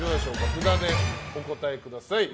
札でお答えください。